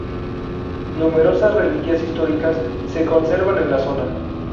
Numerosas reliquias históricas se conservan en la zona.